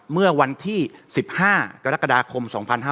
เมื่อวันที่๑๕กรกฎาคม๒๕๕๙